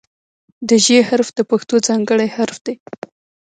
د "ژ" حرف د پښتو ځانګړی حرف دی.